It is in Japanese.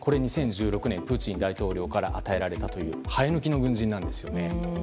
２０１６年、プーチン大統領から与えられたという生え抜きの軍人なんですよね。